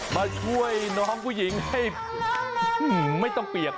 มาช่วยน้องผู้หญิงให้ไม่ต้องเปียก